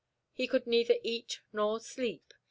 He could neither eat nor sleep.